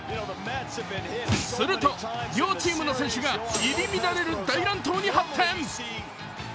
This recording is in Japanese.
すると、両チームの選手が入り乱れる大乱闘に発展。